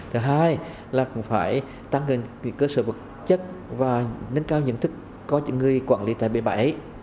thứ hai là cũng phải tăng cơ sở vật chất và nâng cao nhận thức có những người quản lý tại bãi